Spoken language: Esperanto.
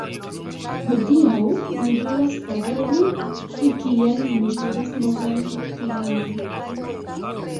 Hodiaŭ mi volas paroli pri kiel mi studas novajn temojn